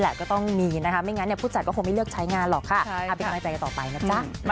เป็นครูใหญ่ที่ดีครับผม